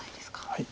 はい。